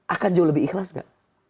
akan jauh lebih ikhlas gak